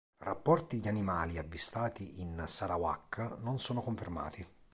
Rapporti di animali avvistati in Sarawak non sono confermati.